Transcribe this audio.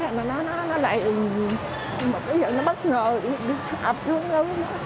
thế thằng đó nó lại bất ngờ